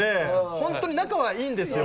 本当に仲はいいんですよ